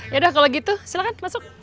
yaudah kalau gitu silahkan masuk